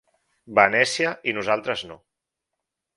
Venècia i nosaltres no.